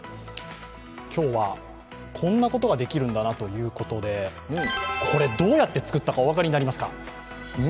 今日はこんなことができるんだなということで、これ、どうやって作ったかお分かりになりますか？